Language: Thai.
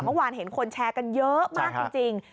เมื่อวานเห็นคนแชร์กันเยอะมากจริง